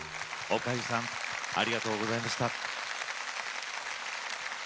おかゆさんありがとうございました。